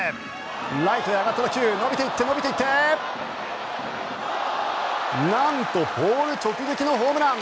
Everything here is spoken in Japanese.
ライトへ上がった打球伸びていって、伸びていってなんとボール直撃のホームラン。